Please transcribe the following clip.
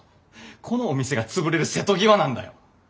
このお店が潰れる瀬戸際なんだよ。